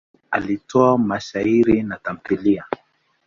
Alitoa mashairi na tamthiliya.